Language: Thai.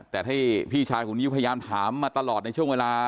แต่ให้พี่ชายของนิ้วพยายามถามมาตลอดในช่วงเวลา